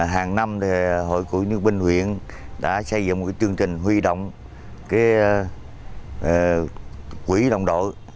hàng năm hội kiệu chiến binh huyện đã xây dựng một chương trình huy động quỹ đồng đội